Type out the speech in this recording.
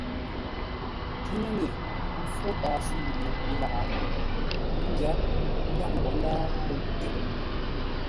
Nkhʉŋənə ghʉ fó paa sə̌u yé yi lâʼ, ńdyáp ńdaghʼ ńgwó ńdǎa ləwʉ̂ tyəpə́.